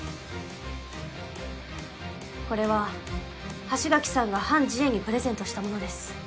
これは橋垣さんがハン・ジエンにプレゼントしたものです。